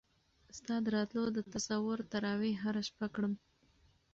ستا د راتلو د تصور تراوېح هره شپه کړم